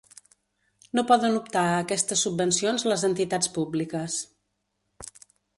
No poden optar a aquestes subvencions les entitats públiques.